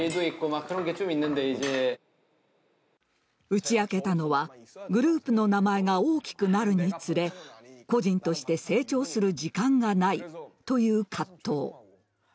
打ち明けたのはグループの名前が大きくなるにつれ個人として成長する時間がないという葛藤。